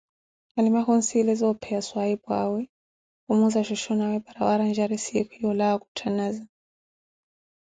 Halima khunssileza opheya swahiphu'awe Khumuza shoshonawe pára aranjari siikhu yoolawa okhutanaza